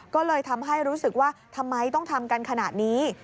ก็เลยทำให้รู้สึกว่าทำไมต้องทำกันขนาดนี้